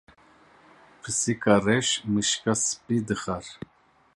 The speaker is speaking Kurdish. Pisîka reş mişka spî dixwar.